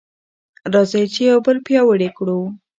راځئ چې یو بل پیاوړي کړو.